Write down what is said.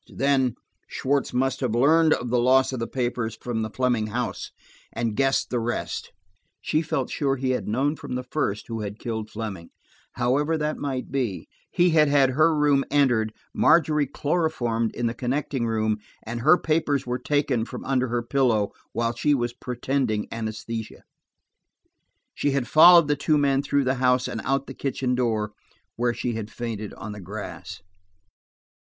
Then–Schwartz must have learned of the loss of the papers from the Fleming house, and guessed the rest. She felt sure he had known from the first who had killed Fleming. However that might be, he had had her room entered, Margery chloroformed in the connecting room, and her papers were taken from under her pillow while she was pretending anæsthesia. She had followed the two men through the house and out the kitchen door, where she had fainted on the grass.